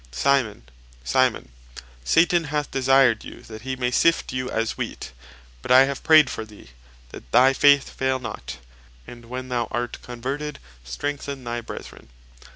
"Simon, Simon, Satan hath desired you that hee may sift you as wheat; but I have prayed for thee, that thy faith faile not; and when thou art converted, strengthen thy Brethren."